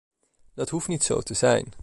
Dat hoeft niet zo te zijn.